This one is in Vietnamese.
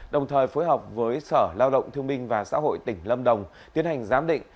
đồng thời phối hợp với sở lao động thương minh và xã hội tỉnh lâm đồng tiến hành giám định